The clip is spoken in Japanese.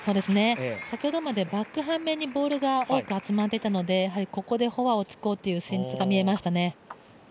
先ほどまでバック反面にボールが多く集まっていたのでここでフォアを突こうという戦術が見えましたね。